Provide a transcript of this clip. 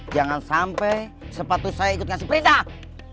jangan sampai sepatu saya ikut ngasih perintah